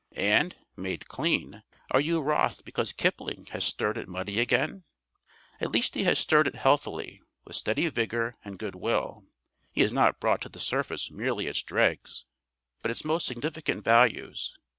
And, made clean, are you wroth because Kipling has stirred it muddy again? At least he has stirred it healthily, with steady vigour and good will. He has not brought to the surface merely its dregs, but its most significant values.